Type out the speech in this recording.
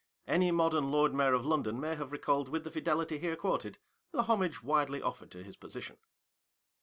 Any modern Lord Mayor of London may have recalled, with the fidelity here quoted, the homage widely offered to his position.